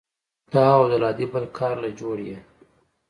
ته او عبدالهادي بل كار له جوړ يې.